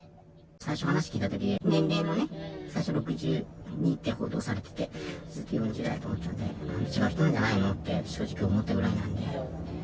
最初話聞いたとき、年齢もね、最初６２って報道されてて、ずっと４０代やと思ってたので、違う人じゃないのって正直思ったぐらいなんで。